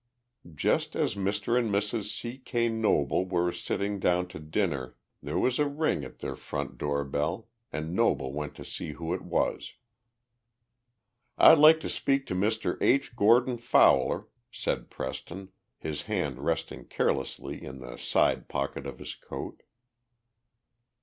Just as Mr. and Mrs. C. K. Noble were sitting down to dinner there was a ring at their front door bell and Noble went to see who it was. "I'd like to speak to Mr. H. Gordon Fowler," said Preston, his hand resting carelessly in the side pocket of his coat.